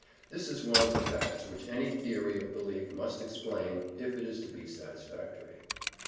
This is one of the facts which any theory of belief must explain if it is to be satisfactory.